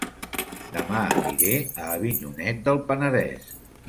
Dema aniré a Avinyonet del Penedès